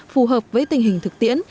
phù hợp với tình hình thực tiễn